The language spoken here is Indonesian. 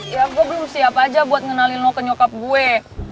ya gue belum siap aja buat ngenalin lo ke nyokap gue